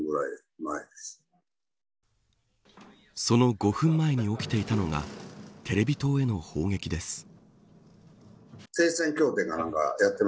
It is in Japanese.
その５分前に起きていたのがテレビ塔への砲撃です。